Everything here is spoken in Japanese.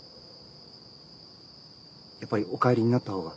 やっぱりお帰りになったほうが。